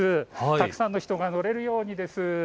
たくさんの人が乗れるようにです。